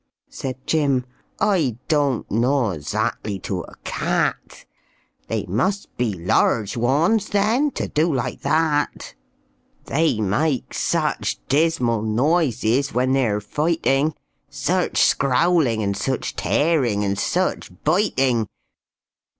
Said Jim, "I doan't knaw 'zackly to a cat, They must be laarge wauns, then, to do like that; They maake such dismal noises when they're fighting, Such scrowling, and such tearing, and such biting."